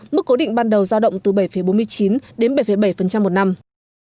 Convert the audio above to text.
mức cố định ban đầu giao động từ bảy bốn mươi chín đến bảy bảy một năm